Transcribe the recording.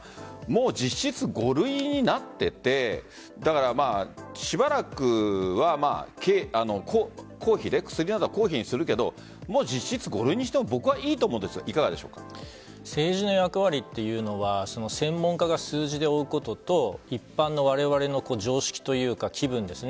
もう実質、５類になっていてしばらくは薬などは公費にするけど実質５類にしても僕はいいと思うんですが政治の役割というのは専門家が数字で追うことと一般のわれわれの常識というか機運です。